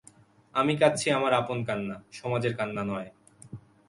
আমি কাঁদছি আমার আপন কান্না, সমাজের কান্না নয়।